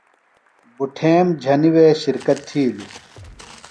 بٹھیم جھنیۡ وے شِرکت تِھیلیۡ۔